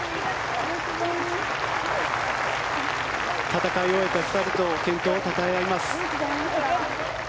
戦い終えた２人と健闘をたたえ合います。